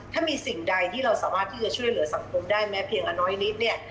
ถ้ามีสิ่งใดที่เราสามารถที่จะช่วยเหลือสังคมได้แม้เพียงอันน้อยนิดเนี่ย